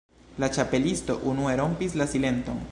La Ĉapelisto unue rompis la silenton.